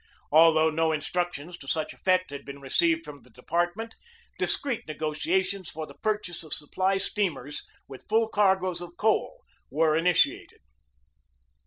Although no instructions to such effect had been received from the department, discreet negotiations for the purchase of supply steamers with full cargoes of coal were initiated.